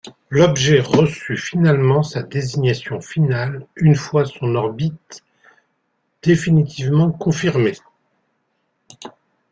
L'objet reçut finalement sa désignation finale une fois son orbite définitivement confirmée.